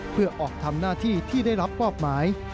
เพื่อออกทำหน้าที่ที่ได้รับมอบหมาย